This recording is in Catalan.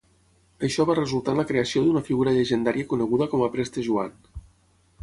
Això va resultar en la creació d'una figura llegendària coneguda com a Preste Joan.